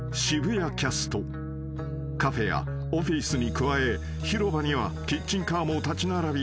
［カフェやオフィスに加え広場にはキッチンカーも立ち並び